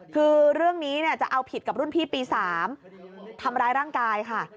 คือเรื่องนี้จะเอาผิดกับรุ่นพี่ปี๓ทำร้ายร่างกายค่ะ